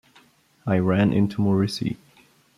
I ran into Morisi.